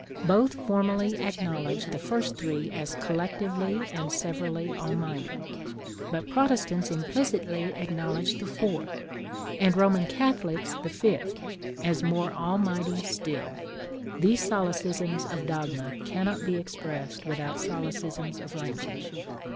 Both formally acknowledge the first three as collectively and severally almighty, but Protestants implicitly acknowledge the fourth, and Roman Catholics the fifth, as more almighty still (these solecisms of dogma cannot be expressed without solecisms of language).